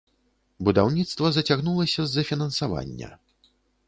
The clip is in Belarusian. Будаўніцтва зацягнулася з-за фінансавання.